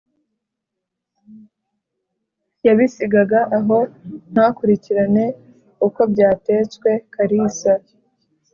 yabisigaga aho ntakurikirane uko byatetswe. Karisa